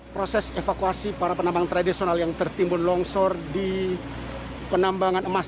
proses evakuasi para penambang tradisional yang tertimbun longsor di penambangan emas